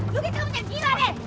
luki jangan gila deh